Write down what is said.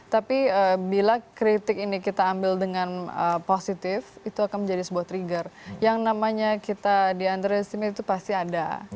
tapi bila kritik ini kita ambil dengan positif itu akan menjadi sebuah trigger yang namanya kita di understime itu pasti ada